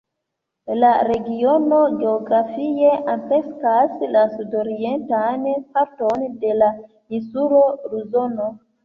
La regiono geografie ampleksas la sudorientan parton de la insulo Luzono.